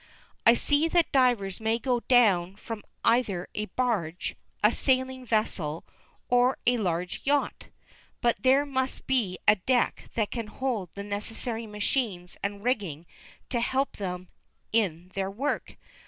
I see that divers may go down from either a barge, a sailing vessel, or a large yacht, but there must be a deck that can hold the necessary machines and rigging to help them in their work.